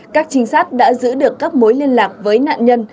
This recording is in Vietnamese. các trinh sát đã giữ được các mối liên lạc với nạn nhân